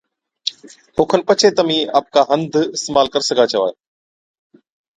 او کن پڇي تمهِين آپڪا هنڌ اِستعمال ڪر سِگھا ڇوا۔